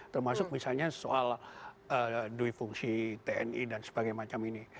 termasuk misalnya soal duifungsi tni dan sebagainya macam ini